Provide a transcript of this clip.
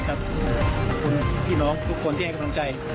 คุณพี่น้องทุกคนที่ให้กำลังใจ